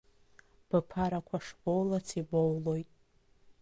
Бԥарақәа шбоулац ибоулоит.